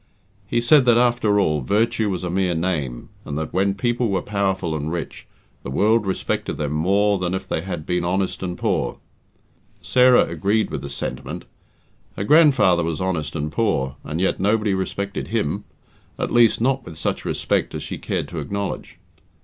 He said that, after all, virtue was a mere name, and that when people were powerful and rich, the world respected them more than if they had been honest and poor. Sarah agreed with this sentiment. Her grandfather was honest and poor, and yet nobody respected him at least, not with such respect as she cared to acknowledge.